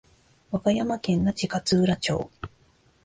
和歌山県那智勝浦町